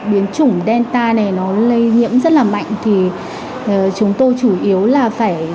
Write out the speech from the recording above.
biến chủng delta này nó lây nhiễm rất là mạnh thì chúng tôi chủ yếu là phải